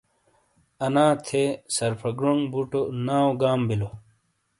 انا تھے، سرفا گڑونگ بوٹو، ناؤ گام بیلو۔